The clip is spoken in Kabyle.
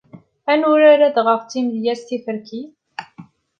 Ad nurar adɣaɣ-timedyaẓ-tiferkit?